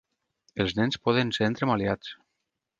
Els nens poden ser entremaliats.